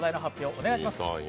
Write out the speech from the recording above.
お願いします。